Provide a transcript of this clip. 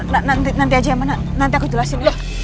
nanti aja emang nanti aku jelasin ya